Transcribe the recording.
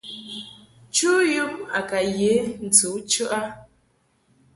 Chu yum a ka ye ntɨ u chəʼ a.